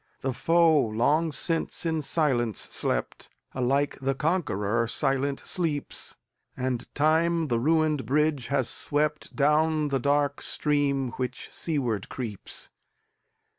The foe long since in silence slept; Alike the conqueror silent sleeps; And Time the ruined bridge has sweptDown the dark stream which seaward creeps.